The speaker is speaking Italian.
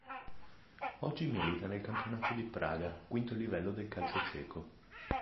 Oggi milita nel Campionato di Praga, quinto livello del calcio ceco.